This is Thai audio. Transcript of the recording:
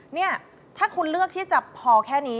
เนี่ยถ้าคุณเลือกที่จะพอแค่นี้